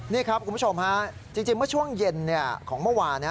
นี่ครับคุณผู้ชมฮะจริงเมื่อช่วงเย็นของเมื่อวาน